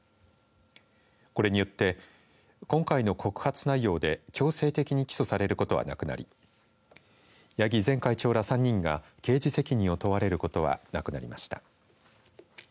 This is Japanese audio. これによって今回の告発内容で強制的に起訴されることはなくなり八木前会長ら３人が刑事責任を問われることはなくなりました。